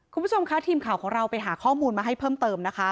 คุณผู้ชมค่ะทีมข่าวของเราไปหาข้อมูลมาให้เพิ่มเติมนะคะ